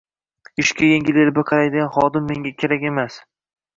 Ishga yengil-elpi qaraydigan xodim menga kerak emas